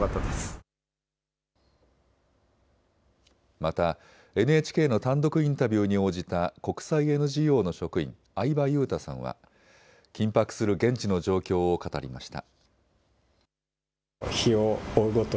またＮＨＫの単独インタビューに応じた国際ＮＧＯの職員、相波優太さんは緊迫する現地の状況を語りました。